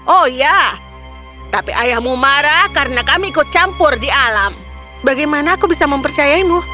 oh ya tapi ayahmu marah karena kami ikut campur di alam bagaimana aku bisa mempercayaimu